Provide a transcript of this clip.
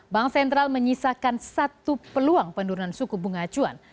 bank sentral menyisakan satu peluang penurunan suku bunga acuan